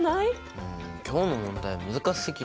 うん今日の問題難しすぎるよ。